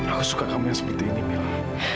aku suka kamu yang seperti ini bilang